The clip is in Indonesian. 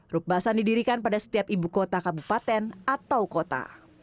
rukbasan didirikan pada setiap ibu kota kabupaten atau kota